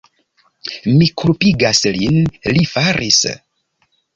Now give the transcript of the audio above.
Mi kulpigas lin... li faris!